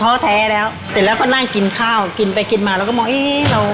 ้อแท้แล้วเสร็จแล้วก็นั่งกินข้าวกินไปกินมาเราก็มองเอ๊ะเรา